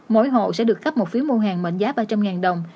mỗi hộ sẽ được cấp một phiếu mua hàng mệnh giá ba trăm linh đồng